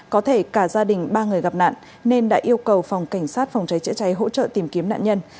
có thể cả gia đình ba người gặp nạn nên đã yêu cầu phòng cảnh sát phòng cháy chữa cháy hỗ trợ tìm kiếm nạn nhân